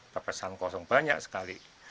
peperasan kosong banyak sekali